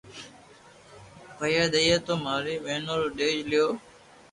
پيئا دآئئي تو ماري ٻينو رو ڌيج ليو